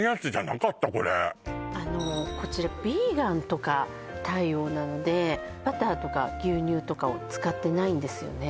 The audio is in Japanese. こちらヴィーガンとか対応なのでバターとか牛乳とかを使ってないんですよね